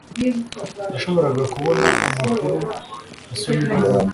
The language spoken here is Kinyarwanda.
yashoboraga kubona amakuru asoma ibaruwa